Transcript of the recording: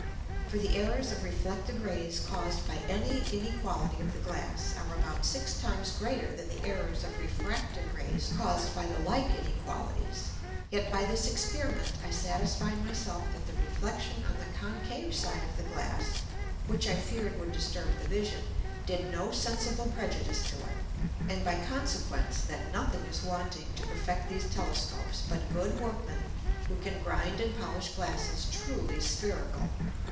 For the Errors of reflected Rays caused by any Inequality of the Glass, are about six times greater than the Errors of refracted Rays caused by the like Inequalities. Yet by this Experiment I satisfied my self that the Reflexion on the concave side of the Glass, which I feared would disturb the Vision, did no sensible prejudice to it, and by consequence that nothing is wanting to perfect these Telescopes, but good Workmen who can grind and polish Glasses truly spherical.